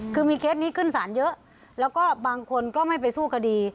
คือมีเคสนี้ขึ้นสารเยอะแล้วก็บางคนก็ไม่ไปสู้คดี